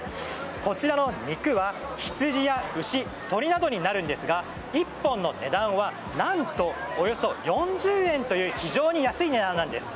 こちらの肉はヒツジや牛鶏などになるんですが１本の値段は何とおよそ４０円という非常に安い値段です。